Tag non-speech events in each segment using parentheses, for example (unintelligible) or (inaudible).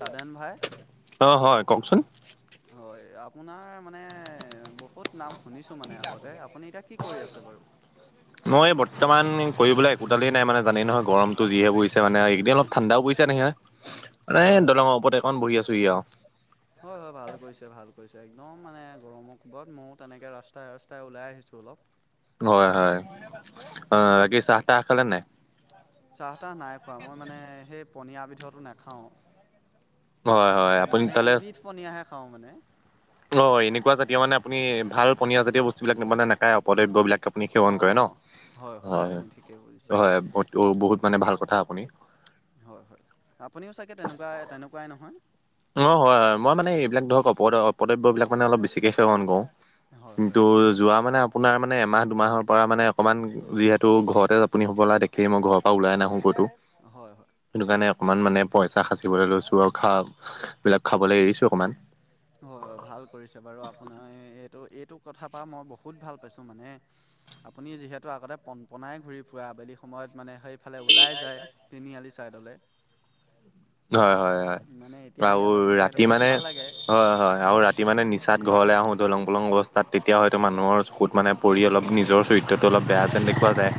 তাদেন ভাই অ হয় কওকচোন হয় আপোনাৰ মানে বহুত নাম শুনিছো মানে আগতে, আপুনি এতিয়া কি কৰি আছে বাৰু? মই বৰ্তমান কৰিবলৈ একোদালেই নাই মানে জানেই নহয় গৰমতো যিহে পৰি ছে মানে এইকেইদিন অলপ ঠাণ্ডাও পৰিছে নেহে মানে হয় হয় দলঙৰ ওপৰতে একণ বহি আছোহি আও হয় হয় ভাল কৰিছে ভাল কৰিছে একদম মানে গৰমৰ কো'বত ময়ো তেনেকৈ ৰাস্তাই ৰাস্তাই ওলাই আহিছো অলপ। হয় হয়, অ বাকী চাহ-তাহ খালে নে নাই? চাহ-তাহ নাই খোৱা মই মানে সেই পনীয়া বিধৰটো নাখাওঁ। হয় হয়। আপুনি মানে তালে ইবিধ পনীয়াহে খাওঁ মানে। অ এনেকুৱা জাতীয় মানে আপুনি ভাল পনীয়া জাতীয় বস্তুবিলাক মানে নেখায় অপদ্ৰব্যবিলাক। আপুনি সেৱন কৰে ন। অঁ হয় আপুনি ঠিকেই বুজিছে হয়, হয় বহুত মানে ভাল কথা আপুনি- হয় হয়, আপুনিও চাগে তেনেকুৱাই তেনেকুৱাই নহয়? অঁ হয় হয়, মই মানে এইবিলাক ধৰক অপদ অপদ্ৰব্যবিলাক মানে অলপ বেছিকে সেৱন কৰোঁ। হয় হয় কিন্তু যোৱা মানে আপ- আপোনাৰ মানে এমাহ দুমাহৰ পৰা মানে অকণমান যিহেতু ঘৰতে আপুনি হ'বলা দেখ- সেই মই ঘৰৰ পৰা ওলাই নাহো ক'তো। হয় হয় হয় সেইটো কাৰণে অকমান মানে পইচা সাচিবলৈ লৈছো আৰু খা বিলাক খাবলে এৰিছো অকমান। অ' ভাল কৰিছে বাৰু আপোনাৰ এইটো এইটো কথা পা মই বহুত ভাল পাইছো মানে। আপুনি যিহেতু আগতে পনপনাই ঘূৰি ফুৰা আবেলি সময়ত মানে সেই- ফালে ওলাই যায় তিনিআলি ছাইডলে। হয় হয় হয়, আৰু ইয়াতে থাকে সেইটো ৰাতি কাৰণে মানে ভাল লাগে হয় হয় আৰু ৰাতি- তি মানে নিচাত ঘৰলে আহোঁ ধলং পলং অৱস্থাত তেতিয়া হয়তো মানুহৰ চকুত মানে পৰি অলপ নিজৰ- চৰিত্ৰটো অলপ বেয়া যেন দেখুৱা যায়।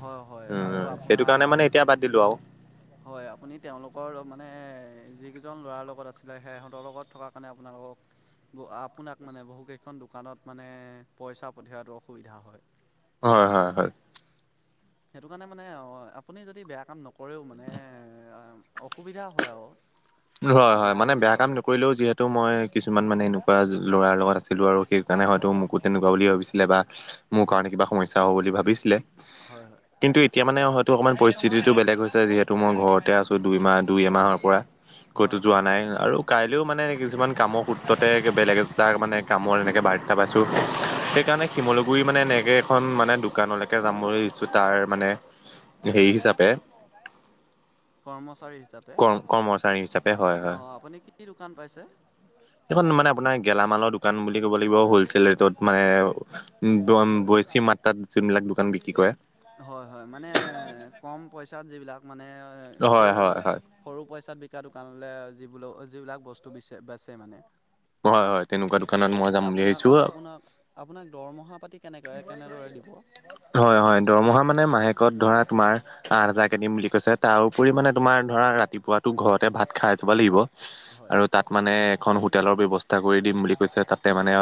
হয় হয়, আৰু উম, সেইটো আপোনাৰ কাৰণে মানে এতিয়া বাদ দিলো আৰু আপোন- হয়, আপুনি তেওঁলোকৰ মানে যিগিজন ল'ৰাৰ লগত আছিলা সেহঁতৰ লগত থকাৰ কাৰণে আপোনালোকক- বৌ আপোনাক মানে বহুকেইখন দোকানত মানে পইচা পঠিওৱাটো অসুবিধা হয়। হয় হয় হয়। সেইটো কাৰণে মানে আপুনি যদি বেয়া কাম নকৰেও মানে অসুবিধা হয় আৰু। (inaudible) হয় হয়, মানে বুলি বেয়া কাম ভাবে নকৰিলেও যিহেতু মই কিছুমান মানে এনেকুৱা ল'ৰাৰ লগত আছিলো আৰু সেই- কানে হয়তো হয় মোকো তেনেকুৱা বুলি ভাবিছিলে, বা মোৰ কাৰণে কিবা সমস্যা হ'ব বুলি ভাবিছিলে। হয় হয়। কিন্তু, এতিয়া মানে হয়তো অকমান পৰিস্থিতিটো বেলেগ হৈছে যিহেতু মই ঘৰতে আছো দুই মাহ দুই এমাহৰ পৰা। কতো হয় হয় হয় যোৱা নাই আৰু- কাইলেও মানে কিছুমান কামৰ সূত্ৰতে বেলেগ একোটা মানে কামৰ এনেকে বাৰ- পাইছো হয় সেইকাৰণে- শিমলোগুৰি মানে এনেকে এখন মানে দোকানলেকে যাম বুলিছো তাৰ মানে- হেৰি হিচাপে- কৰ্মচাৰী হিচাপে, কৰ্ম কৰ্মচাৰী হিচাপে হয় হয়। অঁ আপুনি কি দোকান পাইছে? এইখন মানে আপোনাৰ গেলামালৰ দোকান বুলি ক'ব লাগিব হলচেল ৰেটত মানে- উম তোমাম হয়, হয়, বেছি মাত্ৰাত যোন বিলাক দোকান বিক্ৰী কৰে। হয় হয়, মানে কম পইচাত যিবিলাক মানে হয় হয় সৰু- হয় সৰু পইচাত বিকা দোকানলে যি বোলো যিবিলাক বস্তু বিচে বেচে মানে। হয় হয়, তেনেকুৱা দোকানত মই যাম বুলি আপোনাক ভাবিছোঁ আ। আপোনাক আপোনাক দৰমহা পাতি- কেনেকৈ কেনেদৰে দিব? হয় হয়, দৰমহা মানে মাহেকত ধৰা তোমাৰ- আঠ হাযাৰ কে দিম বুলি কৈছে তাৰ উপৰি মানে তোমাৰ ধৰা ৰাতিপুৱাতো ঘৰতে ভাত খাই যাব লাগিব। হয়, আৰু তাত মানে এখন হোটেলৰ ব্যৱস্থা কৰি দিম বুলি কৈছে তাতে মানে-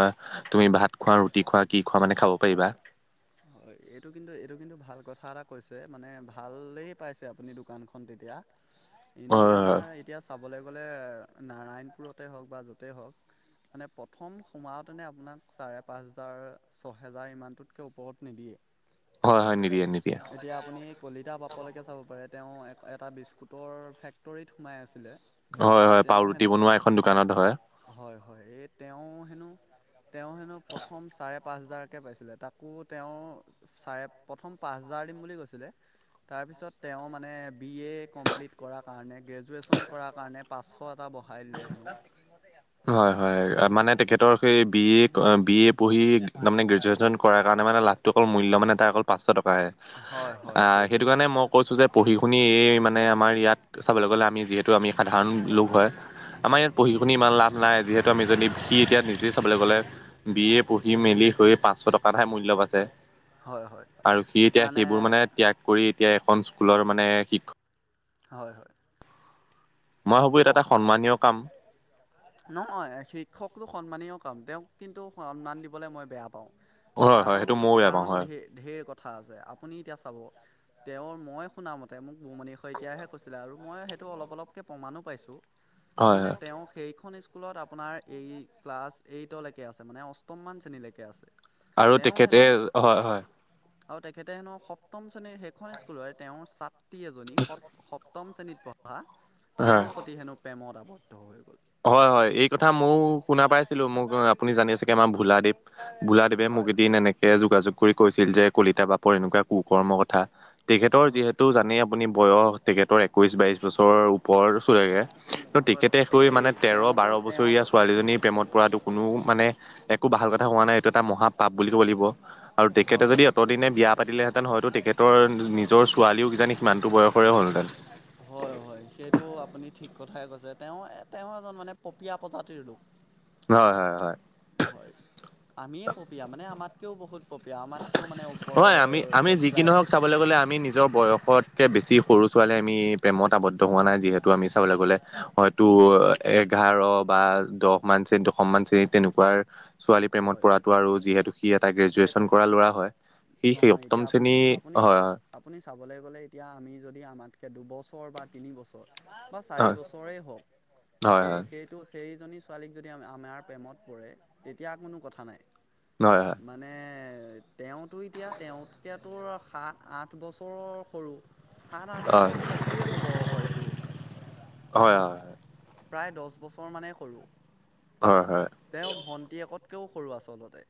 তুমি ভাত খোৱা, ৰুটি খোৱা, কি খোৱা মানে খাব পাৰিবা। হয়, এইটো কিন্তু এইটো কিন্তু ভাল কথা এটা কৈছে মানে ভালেই পাইছে আপুনি দোকানখন তেতিয়া। এনেই হয় আমাৰ এতিয়া চাবলৈ গ'লে নাৰায়ণপুৰতে হওক বা য'তেই হওক মানে প্ৰথম সোমাওঁতেনে আপোনাক চাৰে পাঁচ হেজাৰ ছহেজাৰ ইমানটোত ত ওপৰত নিদিয়ে হয় হয় নিদিয়ে নিদিয়ে এতিয়া আপুনি কলিতা বাপলৈকে চাব পাৰে তেওঁ এটা বিস্কুটৰ ফেক্টৰীত সোমাই আছিলে হয় হয় পাও তেওঁ ৰুটি হেনো বনোৱা এখন দোকানত হয় হয় হয় এই তেওঁ হেনো তেওঁ হেনো প্ৰথম চাৰে পাঁচ হেজাৰকে পাইছিলে তাক মোকো তেওঁ চাৰে প্ৰথম পাঁচ হাজাৰ দিম বুলি কৈছিলে তাৰপিছত তেওঁ মানে বি এ কমপ্লিট কৰাৰ কাৰণে গ্ৰেজুৱেশ্যন কৰাৰ কাৰণে পাঁচশ এটা বঢ়াই দিলে হেনো হয় হয় মানে তেখেতৰ সেই বি এ বি এ পঢ়ি তাৰমানে গ্ৰেজুৱেশ্যন কৰাৰ কাৰণে মানে ত অকল মূল্য মানে তাৰ অকল পাঁচশ টকাহে হয় হয় আহ সেইটো সেইটোৱেই কাৰণে মই কৈছোঁ যে পঢ়ি শুনি এই মানে আমাৰ ইয়াত চাবলৈ গ'লে আমি যিহেতু আমি সাধাৰণ লোক হয় আমাৰ হয় ইয়াত পঢ়ি শুনি ইমান লাভ নাই যিহেতু আমি যদি সি এতিয়া নিজেই চাবলে গ'লে বি এ পঢ়ি মেলি হৈ পাঁচশ টকা এটাহে মূল্য পাইছে হয় হয় আৰু সি এতিয়া সেইবোৰ মানে ত্যাগ কৰি এতিয়া এখন স্কুলৰ মানে শিক্ষক হয় হয় মই ভাবো এটা এটা সন্মানীয় কাম নহয় শিক্ষকটো সন্মানীয় কাম তেওঁক কিন্তু সন্মান দিবলৈ মই বেয়া পাওঁ হয় হয় কাৰণ সেইটো ময়ো বেয়া পাওঁ কাৰণ হয় ধেৰ ধেৰ কথা আছে আপুনি এতিয়া চাব তেওঁৰ মই শুনামতে তেওঁ মোক বুমণি শইকীয়াহে কৈছিলে আৰু মই সেইটো অলপ অলপকৈ প্ৰমাণো পাইছোঁ হয় মানে হয় তেওঁক এইখন স্কুলত আপোনাৰ এই ক্লাছ এইটলৈকে আছে মানে অষ্টমমান শ্ৰেণীলৈকে আছে আৰু তেওঁ তেখেতে হেনো হয় হয় আৰু তেখেতে হেনো সপ্তম শ্ৰেণীৰ সেইখন স্কুলৰে তেওঁৰ ছাত্ৰী এজনী সপ্তম শ্ৰেণীত পঢ়া হয় তেওঁৰ সৈতে হেনো প্ৰেমত আৱদ্ধ হৈ গ'ল হয় হয় এই কথা ময়ো শুনা পাইছিলোঁ মোক আপুনি জানি চাগে আমাৰ ভোলাদেৱ ভোলাদেৱে মোক হয় এদিন এনেকে যোগাযোগ কৰি কৈছিল যে কলিতা বাপৰ এনেকুৱা কু কৰ্ম কথা তেখেতৰ হয় যিহেতু জানেই আপুনি বয়স তেখেতৰ একৈশ বাইশ বছৰৰ পৰ চুৰেগে হয় তেখেতে সেই এই মানে তেৰ তেওঁতো বাৰ বছৰীয়া তেওঁতো ছোৱালীজনী প্ৰেমত পৰাটো কোনো মানে একো ভাল কথা হোৱা নাই এইটো এটা মহাপাপ বুলি ক'ব লাগিব আৰু তেখেতে হয় যদি হয় অতদিনে বিয়া পাতিলেহেঁতেন হয়তো তেখেতৰ নিজৰ ছোৱালীও কিজানি সিমানতো বয়সৰে হ'লহেঁতেন হয় হয় সেইটো আপুনি ঠিক কথাই কৈছে তেওঁ তেওঁ এজন মানে পপিয়া প্ৰজাতিৰ লোক হয় হয় হয় হয় আমিয়ে পপিয়া মানে আমাতকৈও বহুত পপি পপিয়া মাতকৈও মানে ওপৰৰ পৰ্যায়ৰ। ক'বলে গ'লে আমি নিজৰ বয়স বয়সতকে বেছি সৰু ছোৱালী আমি প্ৰেমত আৱদ্ধ হোৱা নাই যিহেতু আমি চাবলে হয় গ'লে হয়। টো এঘাৰ বা দহ মান শ্ৰেণী কিন্তু সমান শ্ৰেণী তেনেকুৱা ছোৱালী প্ৰেমত হয় পৰাটো আৰু যিহেতু সি এটা গ্ৰেজুৱেশ্যন সেইটো কৰা ল'ৰা হয় সি সেই নহয় এতিয়া সপ্তম আপুনি শ্ৰেণী আপুনি হয় হয়। আপুনি চাবলে গ'লে এতিয়া আমি যদি আমাতকৈ দুবছৰ বা তিনিবছৰ বা চাৰি হয় বছৰেই হওক হয় সেই সেই তো সেইজনী ছোৱালীক যদি আমাৰ প্ৰেমত পৰে তেতিয়া কোনো কথা নাই (unintelligible) মানে তেওঁতো এতিয়া তেওঁতকৈাতো আৰু সা আঠ বছৰৰ সৰু, সাত আঠ হয় বছৰটো বেছিয়ে হ'ব হয়টো। হয় হয়। প্ৰায় দছ বছৰমানেই সৰু। হয় হয়। তেওঁ ভণ্টি একতকৈও সৰু আচলতে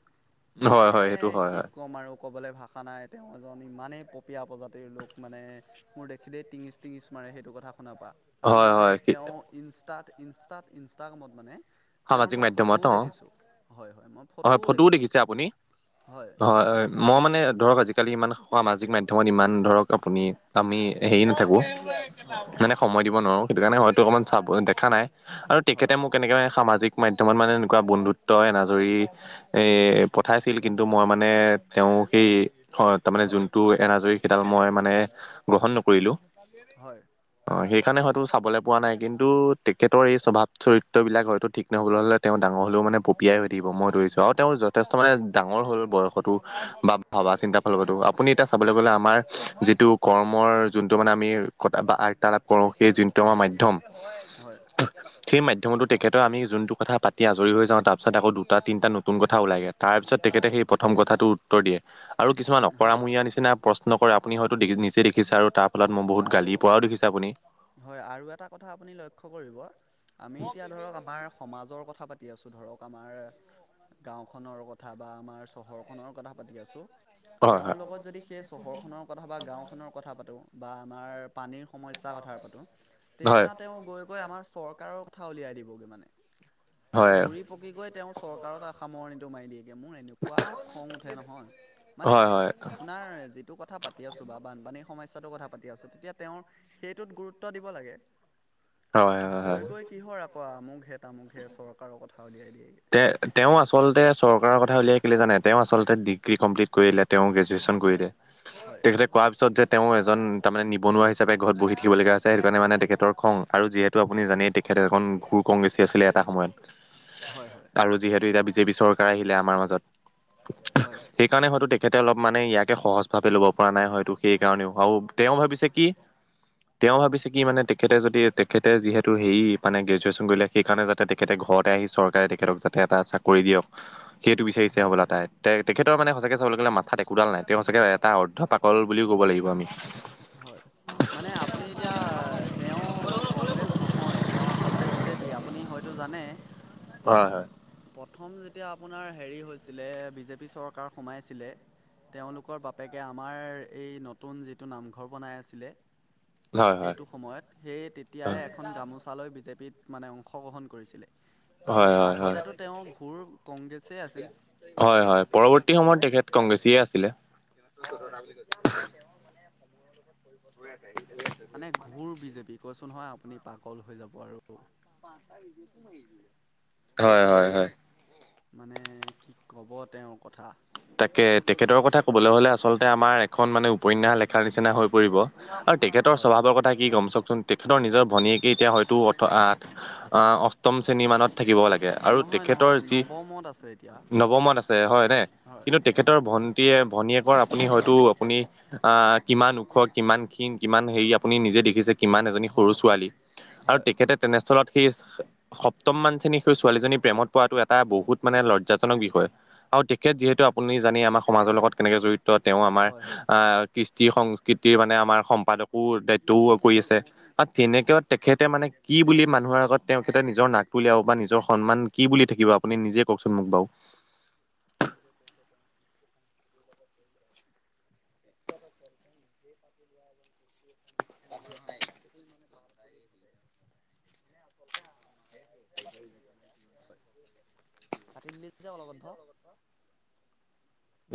হয় মানে হয় এ হয় সেইটো হয় কি ক'ম আৰু, ক'বলৈ ভাষা নাই তেওঁ এজন ইমানেই পপীয়া প্ৰজাতিৰ লোক মানে, মোৰ দেখিলেই টিঙিচ টিঙিচ মাৰে সেইটো কথা শুনা পা। আৰু হয় হয় মই হয় তেওঁ ইনষ্টাত ইনষ্টাত ইনষ্টাগ্ৰামত মানে, তেওঁৰ সামাজিক মই মাধ্যমত ফটোও অ', দেখিছোঁ হয় হয় মই, হয় ফটোও দেখিছে আপুনি, হয় হয়। মই মানে ধৰক আজিকালি ইমান সামাজিক মাধ্যমত ইমান ধৰক আপুনি, আমি হেৰি নাথাকো হয় মানে সময় দিব নোৱাৰো সেইটো কাৰণে হয়তো হয় অকণমান হয় চাব দেখা নাই। আৰু হয়। তেখেতে মোক এনেকে মানে সামাজিক মাধ্যয়মত মানে এনেকুৱা বন্ধুত্ব এনাজৰী, এ পঠাইছিল কিন্তু মই মানে, তেওঁ সেই মানে তাৰ মানে যোনটো তাৰমানে এনাজৰী কেইডাল মই মানে গ্ৰহণ নকৰিলো। হয় (unintelligible) অ', সেইকাৰণে হয়তো চাবলৈ পোৱা নাই কিন্তু তেখেতৰ এই স্বভাৱ চৰিত্ৰ বিলাক হয়তো ঠিক, হ'বলৈ হলে তেওঁ ডাঙৰ হলে মানে পপিয়াই থাকিব মই ধৰিছোঁ, আৰু তেওঁৰ যথেষ্ট মানে ডাঙৰ হ'ল বয়সতো বা ভাবা হয় চিন্তা ফলো আপুনি এতিয়া, চাবলৈ গ'লে আমাৰ যিটো কৰ্মৰ যোনটো মানে আমি কটা বা তাল, কৰো সেই যোনটো আমাৰ হয় মাধ্যম, হয় সেই মাধ্যমতো তেখেতৰ আমি যোনটো কথা পাতি আজৰি হৈ যাওঁ তাৰ পিছত আকৌ দুটা তিনিটা নতুন কথা ওলাই গে। তাৰপিছত তেখেতে হয় সেই প্ৰথম কথাটো উত্তৰ দিয়ে আৰু কিছুমান হয় হয় অকৰামূৰীয়া নিচিনা, প্ৰশ্ন কৰে আপুনি হয়তো দি নিজে দেখিছে আৰু তাৰ ফলত মই বহুত আৰু গালিৰ পৰাও দেখিছে আপুনি, হয় আৰু এটা কথা আপুনি লক্ষ্য কৰিব আমি এতিয়া ধৰক আমাৰ, সমাজৰ কথা পাতি আছোঁ ধৰক আমাৰ, গাঁওখনৰ কথা বা আমাৰ চহৰখনৰ কথা পাতি আছো হয় তেওঁৰ হয় লগত যদি, সেই চহৰখনৰ কথা বা গাঁওখনৰ কথা পাতোঁ বা আমাৰ পানীৰ সমস্যাৰ কথা পাতোঁ, হয় তেতিয়া তেওঁ গৈ গৈ আমাৰ চৰকাৰৰ কথা উলিয়াই দিবগৈ মানে মানে হয় ঘূৰি, পকী গৈ তেওঁ চৰকাৰৰ আ সামৰণিটো মাৰি দিয়ে মোৰ এনে, এনেকুৱা খং উঠে নহয় মানে হয় হয় আ, আপোনাৰ যিটো কথা পাতি আছোঁ বা বানপানীৰ সমস্যাটোৰ কথা পাতি আছোঁ তেতিয়া তেওঁৰ সেইটোত গুৰুত্ব, ত দিব লাগে হয় হয় হয় গৈ গৈ, কিহৰ আকৌ আমুকহে তামুকহে চৰকাৰৰ কথা উলিয়াই দিয়েগে। তেওঁ আচলতে চৰকাৰৰ কথা উলিয়াই কেিলে জানে তেওঁ আচলতে ডিগ্ৰী কমপ্লিট কৰিলে তেওঁ গ্ৰেজুৱেশচন, কৰি হয় হয় তেখেতে কোৱাৰ পিছত যে তেওঁ এজন তাৰমানে নিবনুৱা হিচাপে ঘৰত হয় বহি থাকিব লগীয়া হৈছে। সেইটো কাৰণে মানে তেখেতৰ খং আৰু যিহেতু আপুনি জানেই তেখেত এখন ঘুৰ কংগ্ৰেছী আছিলে এটা সময়ত। হয় হয়। আৰু যিহেতু এতিয়া বিজেপি চৰকাৰ আহিলে আমাৰ মাজত। হয়। সেইকাৰণে হয়তো তেখেতে অলপ মানে ইয়াকে সহজ ভাৱে ল'ব পৰা নাই! হয়তো, সেই কাৰণেও আৰু তেওঁ ভাবিছে কি! তেওঁ ভাবিছে কি মানে তেখেতে যদি তেখেতে যিহেতু হেৰি মানে গ্ৰেজুৱেশচন কৰিলে। সেইকাৰণে যাতে তেখেতে ঘৰতে আহি চৰকাৰে তেখেতক যাতে এটা চাকৰি দিয়ক, সেইটো বিচাৰিছে হয় হ'বলা হয় তাই! তে তেখেতৰ মানে সঁচাকে চাবলে গ'লে মাথাত একোডাল নাই! তেওঁ সঁচাকে এটা অৰ্ধ পাকল বুলিও ক'ব লাগিব আমি! হয়। মানে আপুনি এতিয়া তেওঁ কংগ্ৰেছ নহয় তেওঁ আচলতে বিজেপি আপুনি হয়তো জানে। (unintelligible) প্ৰথম যেতিয়া আপোনাৰ হেৰি হৈছিলে বিজেপি চৰকাৰ সোমাইছিলে। তেওঁলোকৰ বাপেকে আমাৰ এই ন নতুন যিটো নামঘৰ বনাই আছিলে, হয় হয় সেইটো সময়ত সেই হয় তেতিয়াই এখন! গামোচালৈ বিজেপিত মানে অংশগ্ৰহণ কৰিছিলে। সেই হয় হয় হয় হয় আগতেতো তেওঁৰ ঘোৰ কংগ্ৰেছে আছিল। হয় হয় পৰৱৰ্তী সময়ত তেখেত কংগ্ৰেছিয়ে আছিলে। একো স্বৰ নাই (unintelligible) মানে ঘুৰ বিজেপি কৈছো নহয় আপুনি পাগল হৈ যাব আৰু! (unintelligible) হয় হয় হয়। মানে কি ক'ব তেওঁৰ কথা! তাকে, তেখেতৰ কথা কবলৈ হ'লে আচলতে আমাৰ এখন মানে উপন্যাস লেখাৰ নিচিনা হৈ! পৰিব, আৰু তেখেতৰ হয় স্বভাৱৰ কথা কি ক'ম! চাওকচোন তেখেতৰ নিজৰ ভনীয়েকে এতিয়া হয়! তু অৰ্ৎ আঠ অ আ স্তম শ্ৰেণী মানত থাকিব লাগে আৰু নহয় নহয় তেখেতৰ যি নৱমত আছে এতিয়া নৱমত আছে হয়নে? হয় কিন্তু তেখেতৰ ভণ্টীয়ে ভনীয়েকৰ আপুনি হয়তো আপুনি! আহ কিমান ওখ কিমান ক্ষীণ কিমান হেৰি আপুনি নিজে দেখিছে। কিমান এজনী সৰু হয় হয় ছোৱালী আৰু হয় তেখেতে তেনেস্থলত সেই! সপ্তম মান শ্ৰেনী সেই ছোৱালীজনীৰ প্ৰেমত পৱাটো এটা বহুত মানে লজ্জাজনক বিষয়! আৰু তেখেত যিহেতু আপুনি জানেই আমাৰ সমাজৰ লগত কেনেকে জড়িত! তেওঁ আমাৰ হয় হয় আহ কৃষ্টি সংস্কৃতিৰ মানে আমাৰ সম্পাদকো দায়িত্বও কৰি আছে। আৰু তেনেক তেখেতে মানে কি বুলি মানুহৰ আগত তেখেতে নিজৰ নাকটো উলিয়াব বা নিজৰ সন্মান! কি বুলি থাকিব আপুনি নিজে কওকচোন মোক বাউ! কাটি দিলে যে অলগধ।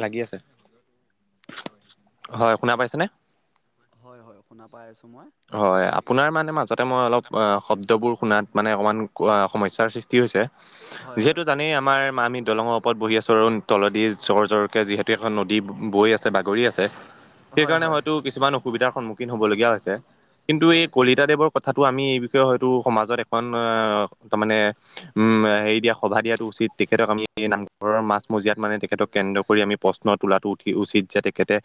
লাগি আছে। হয় শুনা পাইছেনে? হয় হয় শুনা পাই আছোঁ মই। হয়, আপোনাৰ মানে মাজতে মই অলপ শব্দবোৰ শুনাত মানে অকমান সমস্যাৰ সৃষ্টি! কি হৈছে, হয় হয় হয় যিহেতু জানেই আমাৰ মা আমি দলঙৰ ওপৰত বহি আছো আৰু তেলদি জ্বৰ জ্বৰকে যিহেতু! গোটেইখন নদী বৈ আছে বাগৰি আছে সেইকাৰণে হয় হয়তো কিছুমান! অসুবিধাৰ সন্মুখীন হবলগীয়া হৈছে। কিন্তু এই হয় কলি! পীতাদেৱৰ কথাটো আমি এই বিষয়ে হয়তো সমাজত এখন তাৰমানে উম হেৰি দিয়া! সভা দিয়াটো উচিত তেখেতক আমি এই নাম! ঘৰৰ মাজ মজিয়াত মানে তেখেতক কেন্দ্ৰ কৰি আমি প্ৰশ্ন তোলাটো উঠি উচিত যে তেখেতে!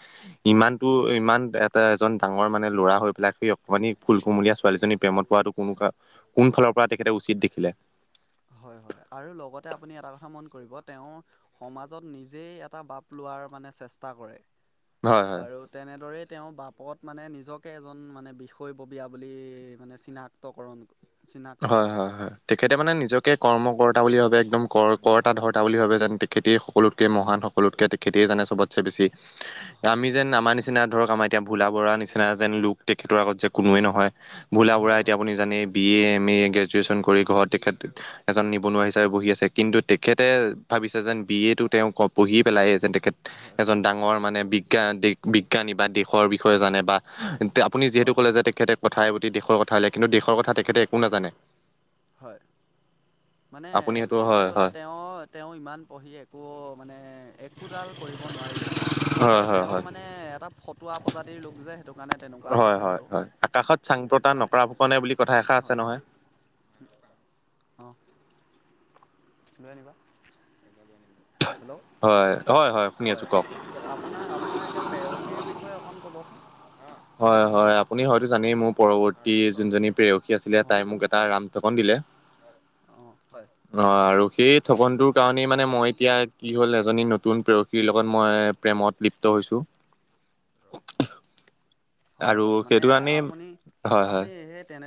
ইমানতো ইমান এটা এজন ডাঙৰ মানে লৰা হৈ পেলাই! সেই অকমানি ফুল কুমলীয়া ছোৱালীজনীৰ প্ৰেমত পৱাটো কোনো কোন ফালৰ পৰা তেখেতে উচিত দেখিলে? হয় হয়! আৰু লগতে আপুনি এটা কথা মন কৰিব তেওঁ, সমাজত নিজেই এটা বাপ লোৱাৰ মানে চেষ্টা কৰে, হয় হয় আৰু তেনেদৰেই তেওঁ বাপত মানে নিজকে এজন মানে বিষয়ববীয়া বুলি মানে চিনাক্তকৰণ! চিনাক্ত হয়, কৰে হয় হয়। তেখেতে মানে নিজকে কৰ্ম-কৰ্তা বুলি ভাৱে। একদম কৰ হয় কৰ্তা-ধৰ্তা বুলি ভাৱে যেন তে খেতেই সকলোতকে মহান, সকলোতকে তেখেতেই জানে চবতচে বেছি। হয় আমি হয় যেন আমাৰ নিচি চিনা ধৰক আমাৰ এতিয়া ভোলা বৰুৱা নিচিনা যেন লোক তেখেতৰ আগত যে কোনোৱেই নহয়। ভোলা বৰুৱা হয় এতিয়া হয় আপুনি জানেই B A, M A graduation কৰি ঘৰত তেখেত এজন নিবনুৱা হিচাপে বহি আছে কিন্তু তেখেতে ভাৱিছে যেন বি এ টো তেওঁ ক পঢ়ি পেলাই যেন তেখেত হয় হয় এজন ডাঙৰ মানে, বিজ্ঞান দে বিজ্ঞানী বা দেশৰ বিষয়ে জানে বা তেওঁ আপুনি যিহেতু হয় হয় ক'লে যে তেখেতে কথাই প্রতি দেশৰ কথা উলিয়াই কিন্তু দেশৰ কথা তেখেতে একো নাজানে। হয়। মানে আপুনি সেইটো ক'বলে হয় গ'লে হয় তেওঁ, তেওঁ ইমান পঢ়ি একো মানে এক্ কোডাল কৰিব নোৱাৰিলে হয় আৰু হয় তেওঁ হয় মানে, এটা ফটুৱা প্ৰজাতিৰ লোক যে সেইটো মানে তেনেকুৱা হয় হৈছে হয় আৰু হয় আকাশত চাং প্ৰতা মানে, নকৰা ফুকনে বুলি কথা এষাৰ আছে হয়। নহয় সেনেকুৱা, অঁহ্। লৈ আনিবা। এটা লৈ আনিম বাৰু। হেল্ল! হয় হয় শুনি হয়। আছো কওক আপোনাৰ, আপোনাৰ এতিয়া প্ৰেয়সীৰ বিষয়ে অকণ ক'বচোন? অঁ। হয়, হয় আপুনি হয়তো জানেই, মোৰ পৰৱৰ্তী যোনজনী প্ৰেয়সী আছিলে তাই হয়নে মোক নহয় এটা চাই লওঁ ৰাম ঠগন দিলে। অঁ, হয়। অঁ আৰু সেই ঠগনটোৰ কাৰণেই মানে মই এতিয়া কি হ'ল? এজনী নত্ তুন প্ৰেয়সীৰ লগত মই প্ৰেমত লিপ্ত হৈছোঁ। হয় আৰু হয় মানে সেইটো কাৰণেই, আপুনি হয় আপুনি হয়। সেই তেনে